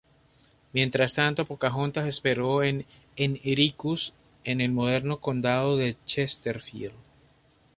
Mientras tanto, Pocahontas esperó en Henricus, en el moderno condado de Chesterfield.